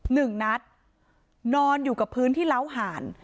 หนึ่งนัดนอนอยู่กับพื้นที่เล้าห่าน